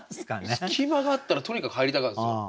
隙間があったらとにかく入りたがるんですよ。